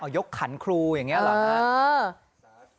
ยกขันครูอย่างนี้เหรอครับ